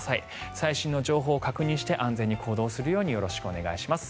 最新の情報を確認して安全に行動するようによろしくお願いします。